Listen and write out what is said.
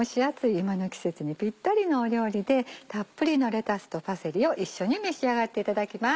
今の季節にピッタリのお料理でたっぷりのレタスとパセリを一緒に召し上がっていただきます。